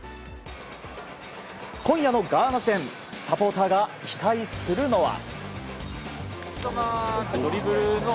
今夜のガーナ戦サポーターが期待するのは。